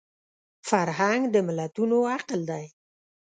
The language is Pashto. فرهنګ د ملتونو عقل دی